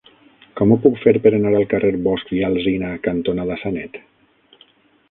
Com ho puc fer per anar al carrer Bosch i Alsina cantonada Sanet?